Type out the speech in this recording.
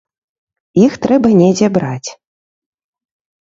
Іх трэба недзе браць.